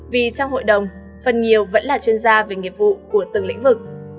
vì trong hội đồng phần nhiều vẫn là chuyên gia về nghiệp vụ của từng lĩnh vực